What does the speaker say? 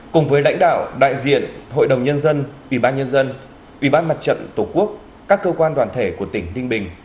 cùng với lãnh đạo đại diện hội đồng nhân dân ủy ban nhân dân ủy ban mặt trận tổ quốc các cơ quan đoàn thể của tỉnh ninh bình